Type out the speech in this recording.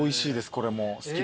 これも好きです。